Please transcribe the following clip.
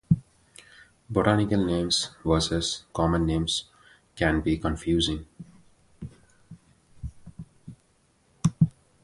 Botanical Names Vs Common Names can be confusing.